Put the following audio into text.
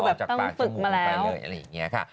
ออกจากปากจมูกลงไปเลยอะไรอย่างนี้ค่ะ